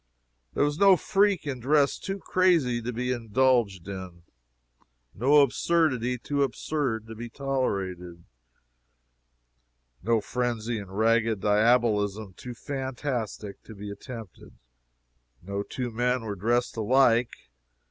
There was no freak in dress too crazy to be indulged in; no absurdity too absurd to be tolerated; no frenzy in ragged diabolism too fantastic to be attempted. No two men were dressed alike.